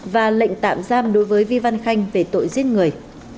và lệnh tạm giam đối với vi văn khanh về tội giết người